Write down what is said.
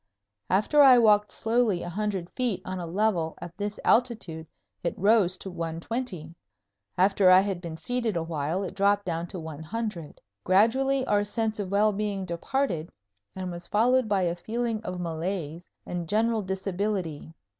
After I walked slowly a hundred feet on a level at this altitude it rose to 120. After I had been seated awhile it dropped down to 100. Gradually our sense of well being departed and was followed by a feeling of malaise and general disability.